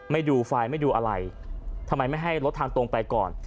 ดูไฟไม่ดูอะไรทำไมไม่ให้รถทางตรงไปก่อน